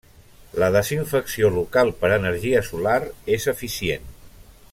La desinfecció local per energia solar és eficient.